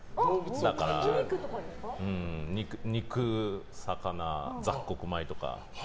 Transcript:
だから、肉、魚、雑穀米とか。